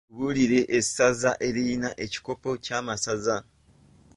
Tubuulire e saza eririna ekikopo ky’amasaza?